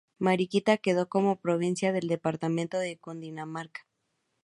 Mariquita quedó como provincia del departamento de Cundinamarca.